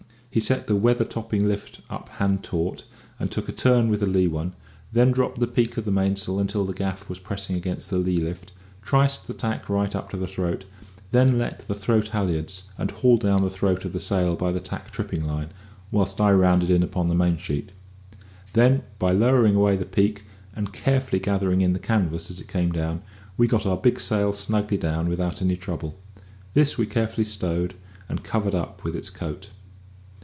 He set the weather topping lift up hand taut, and took a turn with the lee one; then dropped the peak of the mainsail until the end of the gaff was pressing against the lee lift; triced the tack right up to the throat; then let run the throat halliards, and hauled down the throat of the sail by the tack tripping line; whilst I rounded in upon the main sheet. Then, by lowering away the peak, and carefully gathering in the canvas as it came down, we got our big sail snugly down without any trouble. This we carefully stowed and covered up with its coat.